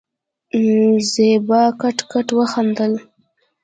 زېبا کټ کټ وخندل.